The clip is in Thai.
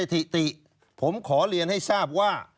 ถิติผมขอเรียนให้ทราบว่า